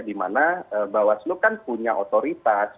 dimana bawaslu kan punya otoritas